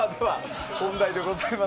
本題でございます。